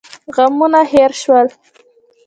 غمونه هېر شول.